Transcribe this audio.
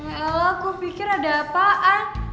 ya allah ku pikir ada apaan